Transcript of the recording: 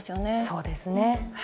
そうですね。